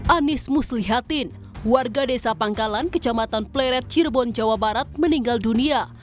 anies muslihatin warga desa pangkalan kecamatan pleret cirebon jawa barat meninggal dunia